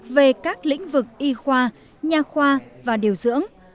về các lĩnh vực y khoa nhà khoa và điều dưỡng